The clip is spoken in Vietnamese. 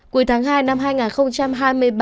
cuối tháng hai năm hai nghìn hai mươi